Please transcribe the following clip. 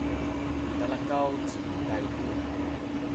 talakaw ci Taymu